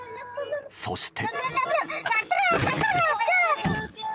そして。